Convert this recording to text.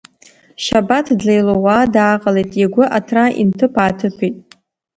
Шьабаҭ длеилууа дааҟалеит, игәы аҭра инҭыԥа-ааҭыԥеит.